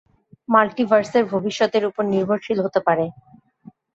মাল্টিভার্সের ভবিষ্যৎ এর উপর নির্ভরশীল হতে পারে।